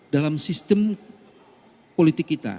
dalam sistem politik kita